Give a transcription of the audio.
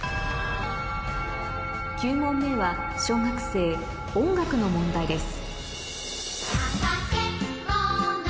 ９問目は小学生音楽の問題です